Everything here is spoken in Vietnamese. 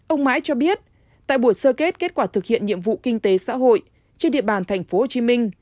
ông mãi cho biết tại buổi sơ kết kết quả thực hiện nhiệm vụ kinh tế xã hội trên địa bàn tp hcm